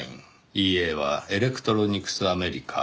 ＥＡはエレクトロニクスアメリカ。